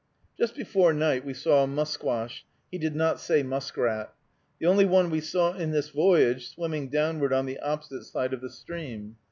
Just before night we saw a musquash (he did not say muskrat), the only one we saw in this voyage, swimming downward on the opposite side of the stream.